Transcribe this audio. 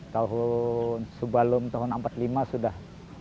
tahun sebelum tahun seribu sembilan ratus empat puluh lima sudah